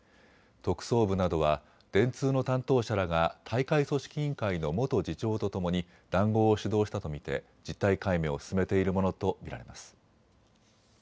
特捜部などは電通の担当者らが大会組織委員会の元次長とともに談合を主導したと見て実態解明を進めているものと見られます。